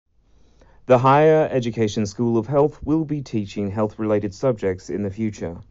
The Higher Education School of Health will be teaching health-related subjects in the future.